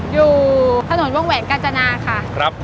อยู่ถนนวงแหวนกาญจนาค่ะ